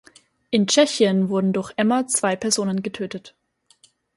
In Tschechien wurden durch Emma zwei Personen getötet.